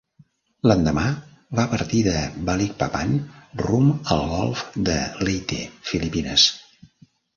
L'endemà, va partir de Balikpapan rumb al golf de Leyte, Filipines.